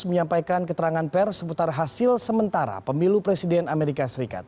menyampaikan keterangan pers seputar hasil sementara pemilu presiden amerika serikat